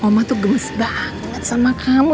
oma tuh gemes banget sama kamu